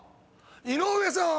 井上さん